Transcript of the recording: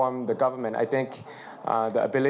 รับการส่งการ